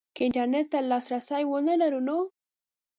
که انترنټ ته لاسرسی ونه لرو نو